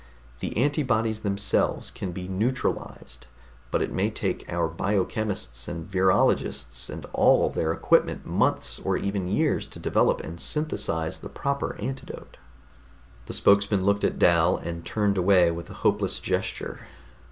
The antibodies themselves can be neutralized, but it may take our biochemists and virologists and all their equipment months or even years to develop and synthesize the proper antidote." The spokesman looked at Dal, and turned away with a hopeless gesture.